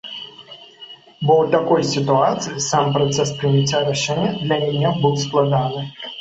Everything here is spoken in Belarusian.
Бо ў такой сітуацыі сам працэс прыняцця рашэння для мяне быў складаны.